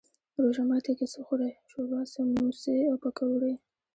روژه ماتی کی څه خورئ؟ شوروا، سموسي او پکوړي